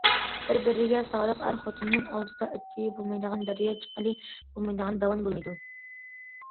بىر- بىرىگە سادىق ئەر- خوتۇننىڭ ئالدىدا ئۆتكىلى بولمايدىغان دەريا، چىققىلى بولمايدىغان داۋان بولمايدۇ.